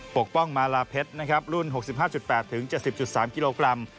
ปกป้องมาลาเพชรนะครับรุ่น๖๕๘๗๐๓กิโลกรัม